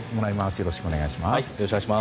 よろしくお願いします。